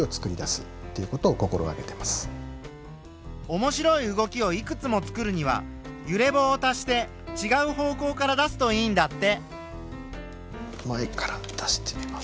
面白い動きをいくつもつくるには揺れ棒を足してちがう方向から出すといいんだって。